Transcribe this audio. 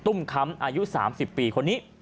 ้มค้ำอายุ๓๐ปีคนนี้